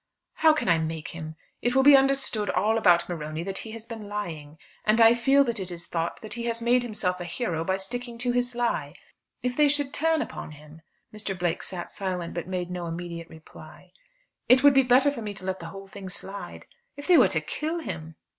"How can I make him? It will be understood all about Morony that he has been lying. And I feel that it is thought that he has made himself a hero by sticking to his lie. If they should turn upon him?" Mr. Blake sat silent but made no immediate reply. "It would be better for me to let the whole thing slide. If they were to kill him!"